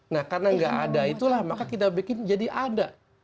nah karena nggak ada itulah maka kita bikin jadi ada